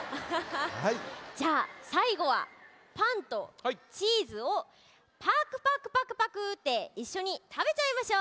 じゃあさいごはパンとチーズをパクパクパクパクっていっしょにたべちゃいましょう！